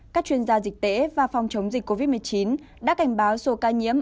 các chuyên gia dịch tễ và phòng chống dịch covid một mươi chín đã cảnh báo số ca nhiễm